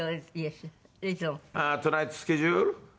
トゥナイトスケジュール？